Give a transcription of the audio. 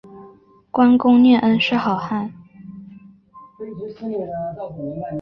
观功念恩是好汉